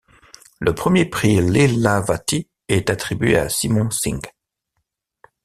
Le premier prix Leelavati est attribué à Simon Singh.